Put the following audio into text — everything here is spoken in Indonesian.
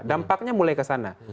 dampaknya mulai kesana